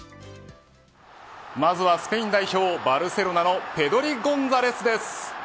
まずはスペイン代表バルセロナのペドリ・ゴンザレスです。